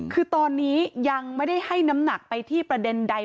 คือตอนนี้ยังไม่ได้ให้น้ำหนักไปที่ประเด็นใด